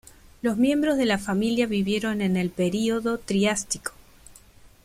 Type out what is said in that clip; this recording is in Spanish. Los miembros de la familia vivieron en el período Triásico.